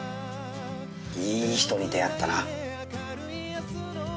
いい人に出会ったな。